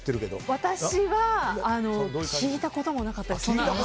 私は聞いたこともなかったです。